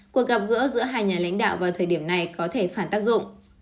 cuộc gặp gỡ giữa hai nhà lãnh đạo vào thời điểm này có thể phản tác dụng